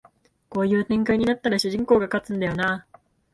こういう展開になったら主人公が勝つんだよなあ